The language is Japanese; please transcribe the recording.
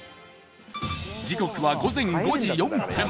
時刻は午前５時４分